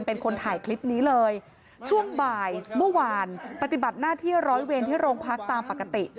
เป็นคนถ่ายคลิปนี้เลยช่วงบ่ายเมื่อวานปฏิบัติหน้าที่ร้อยเวรที่โรงพักตามปกติ